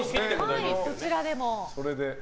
どちらでも。